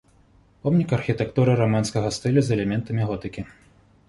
Помнік архітэктуры раманскага стылю з элементамі готыкі.